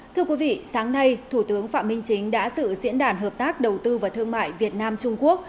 thưa quý vị sáng nay thủ tướng phạm minh chính đã sự diễn đàn hợp tác đầu tư và thương mại việt nam trung quốc